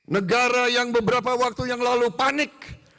negara yang beberapa waktu yang lalu panik